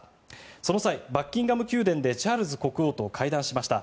その際、バッキンガム宮殿でチャールズ国王と会談しました。